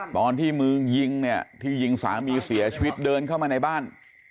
ตอนที่มือยิงเนี่ยที่ยิงสามีเสียชีวิตเดินเข้ามาในบ้าน